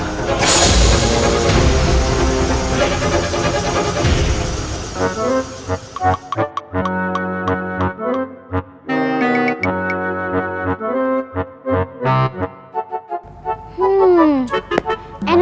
agar dirunung bencana